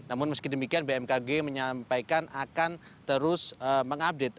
namun meski demikian bmkg menyampaikan akan terus mengupdate